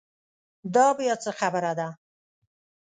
دا بیا څه خبره ده.